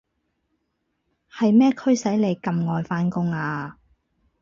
係咩驅使你咁愛返工啊？